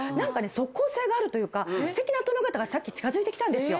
即効性があるというかステキな殿方がさっき近づいてきたんですよ。